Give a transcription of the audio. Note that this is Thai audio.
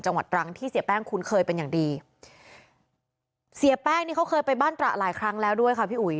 จังหวัดตรังที่เสียแป้งคุ้นเคยเป็นอย่างดีเสียแป้งนี่เขาเคยไปบ้านตระหลายครั้งแล้วด้วยค่ะพี่อุ๋ย